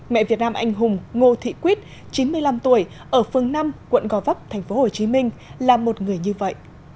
mẹ việt nam anh hùng ngô thị quýt chín mươi năm tuổi ở phương năm quận gò vấp tp hcm là một người như vậy